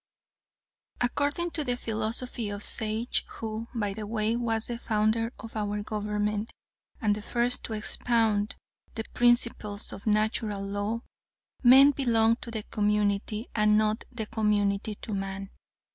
"According to the philosophy of Sage who, by the way, was the founder of our government, and the first to expound the principles of Natural Law men belonged to the community, and not the community to man.